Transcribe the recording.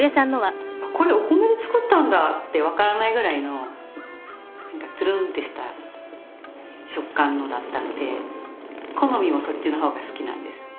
これお米で作ったんだって分からないぐらいのトゥルンってした食感のだったので好みもそっちのほうが好きなんです。